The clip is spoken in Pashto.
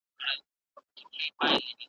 وخت به پر تڼاکو ستا تر کلي دروستلی یم .